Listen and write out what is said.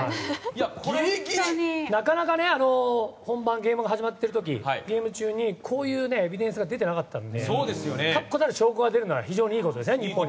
なかなか、本番ゲームが始まってる時ゲーム中にこういうエビデンスが出ていなかったので確固たる証拠が出るのは非常にいいことですね。